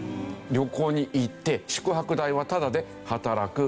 旅行に行って宿泊代はタダで働く。